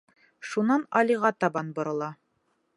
Шунан Алиға табан борола.